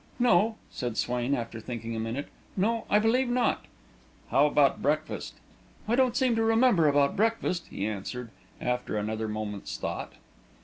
"No," said Swain, after thinking a minute. "No, I believe not." "How about breakfast?" "I don't seem to remember about breakfast," he answered, after another moment's thought.